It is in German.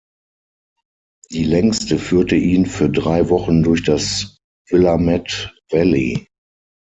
Die längste führte ihn für drei Wochen durch das Willamette Valley.